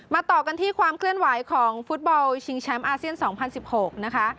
ต่อกันที่ความเคลื่อนไหวของฟุตบอลชิงแชมป์อาเซียน๒๐๑๖นะคะ